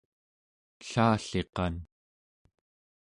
ellalliqan